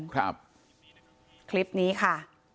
คลิปนี้ค่ะ